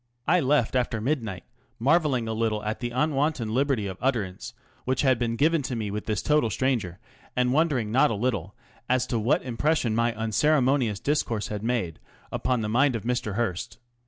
I left after midnight, marvelling a little at the unwonted liberty of utterance which had been given to me with this total stranger, and wondering not a little as to what impression my unceremonious discourse had made upon the mind of Mr. Hearst.